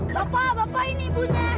bapak ini ibunya